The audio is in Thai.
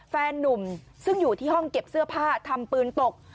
แฟนนุ่มซึ่งอยู่ที่ห้องเก็บเสื้อผ้าทำปืนตก